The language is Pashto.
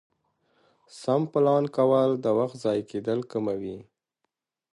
سم پلان کول د وخت ضایع کېدل کموي